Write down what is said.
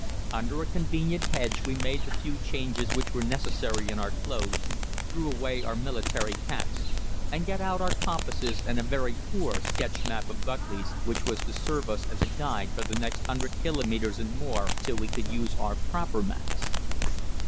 Under a convenient hedge we made the few changes which were necessary in our clothes, threw away our military caps, and got out our compasses and a very poor sketch map of Buckley's, which was to serve us as a guide for the next hundred kilometres and more, till we could use our proper maps.